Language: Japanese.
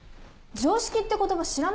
常識って言葉知らないの？